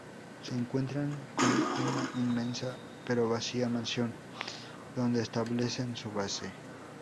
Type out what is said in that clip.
Se encuentran con una inmensa, pero vacía mansión, donde establecen su base.